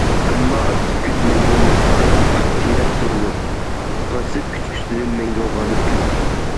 ئەمما ئاكتىپ كۈچ مەڭگۈ مۇستەھكەم پۇت تىرەپ تۇرىدۇ، پاسسىپ كۈچ ئۈستىدىن مەڭگۈ غالىب كېلىدۇ.